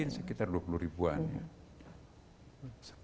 mungkin sekitar dua puluh ribuan ya